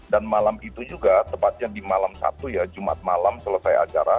dan malam itu juga tepatnya di malam sabtu ya jumat malam selesai acara